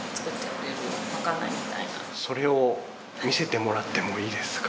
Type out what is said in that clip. それを見せてもらってもいいですか？